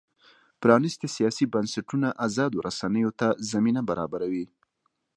پرانیستي سیاسي بنسټونه ازادو رسنیو ته زمینه برابروي.